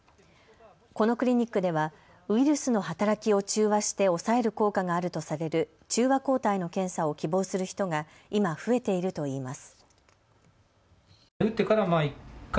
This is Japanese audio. このクリニックではウイルスの働きを中和して抑える効果があるとされる中和抗体の検査を希望する人が今、増えているといいます。